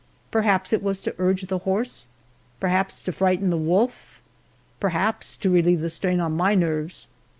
Perhaps it was to urge the horse perhaps to frighten the wolf perhaps to relieve the strain on my nerves.